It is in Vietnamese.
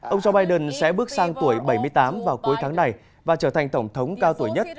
ông joe biden sẽ bước sang tuổi bảy mươi tám vào cuối tháng này và trở thành tổng thống cao tuổi nhất